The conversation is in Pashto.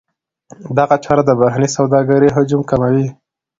دغه چاره د بهرنۍ سوداګرۍ حجم کموي.